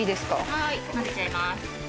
はい混ぜちゃいます。